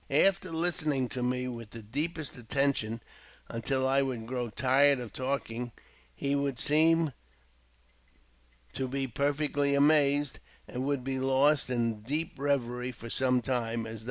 After listening to me with the deepest attention until T would grow tired of talking, he would seem to be perfectly amazed, and would be lost in a deep reverie for some time, as.